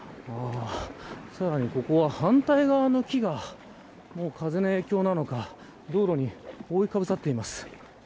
さらに、ここは反対側の木が風の影響なのか道路に覆いかぶさっています。